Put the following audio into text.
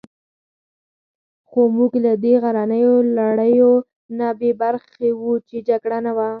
خو موږ له دې غرنیو لړیو نه بې برخې وو، چې جګړه نه وه.